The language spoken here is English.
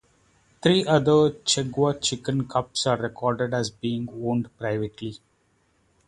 Three other Chenghua chicken cups are recorded as being owned privately.